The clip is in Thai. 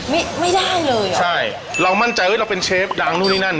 ไม่ได้เลยอ่ะใช่เรามั่นใจว่าเราเป็นเชฟดังนู่นนี่นั่น